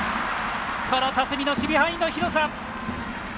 辰己の守備範囲の広さ。